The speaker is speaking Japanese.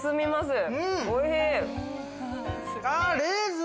おいしい。